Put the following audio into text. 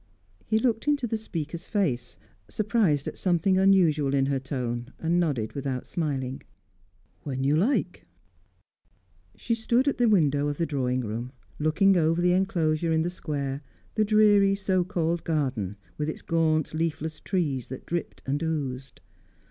He looked into the speaker's face, surprised at something unusual in her tone, and nodded without smiling. "When you like." She stood at the window of the drawing room, looking over the enclosure in the square, the dreary so called garden, with its gaunt leafless trees that dripped and oozed.